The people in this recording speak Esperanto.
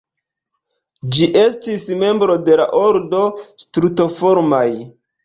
Ĝi estis membro de la ordo Strutoformaj.